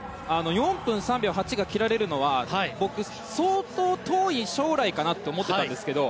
４分３秒８が切られるのは僕、相当遠い将来かなって思ってたんですけど